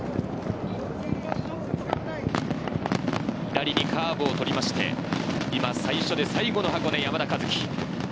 左にカーブをとりまして、今、最初で最後の箱根、山田一輝。